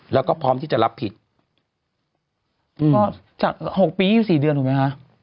แล้วก็พร้อมที่จะรับผิดก็จากหกปี๒๔เดือนถูกไหมคะ